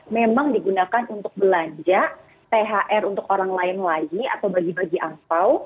memang digunakan untuk belanja thr untuk orang lain lagi atau bagi bagi angpao